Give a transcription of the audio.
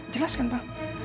jelas kan pak